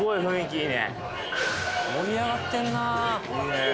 盛り上がってんないいね